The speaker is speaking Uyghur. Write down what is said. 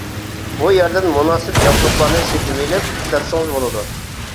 بۇ يەردىن مۇناسىپ جابدۇقلارنى سېتىۋېلىپ ئىشلەتسىڭىز بولىدۇ.